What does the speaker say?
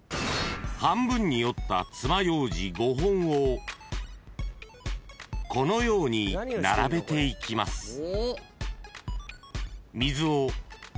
［半分に折ったつまようじ５本をこのように並べていきます］